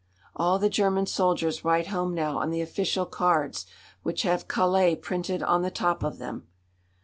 "All the German soldiers write home now on the official cards, which have Calais printed on the top of them!"